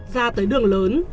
ra tới đường lớn